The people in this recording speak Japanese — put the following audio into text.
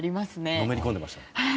のめり込んでましたね。